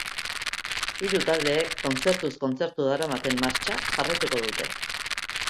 Hiru taldeek kontzertuz kontzertu daramaten martxa jarraituko dute.